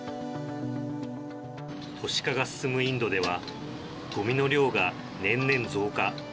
都市化が進むインドではゴミの量が年々増加。